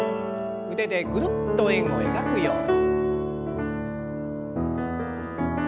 腕でぐるっと円を描くように。